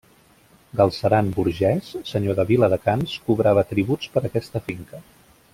Galceran Burgès, senyor de Viladecans, cobrava tributs per aquesta finca.